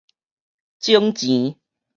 整錢